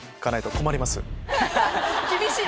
厳しい！